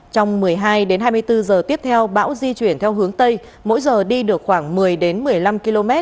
trong một mươi hai đến hai mươi bốn giờ tiếp theo bão di chuyển theo hướng tây mỗi giờ đi được khoảng một mươi một mươi năm km